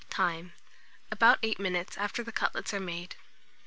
Time. About 8 minutes after the cutlets are made.